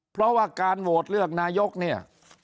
เพราะว่าการโหวตเลือกนายกเนี่ย